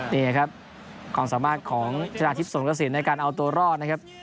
นี่ครับความสามารถของชนะทิพย์สงกระสินในการเอาตัวรอดนะครับ